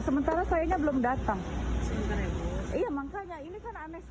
sementara saya belum datang